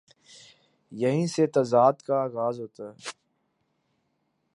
یہیں سے تضاد کا آ غاز ہو تا ہے۔